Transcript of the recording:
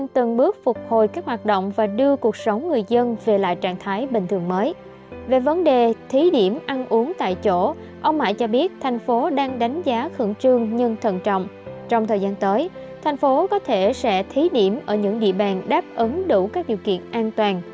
trong thời gian tới thành phố có thể sẽ thí điểm ở những địa bàn đáp ứng đủ các điều kiện an toàn